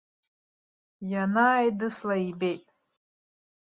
Ианааидысла ибеит.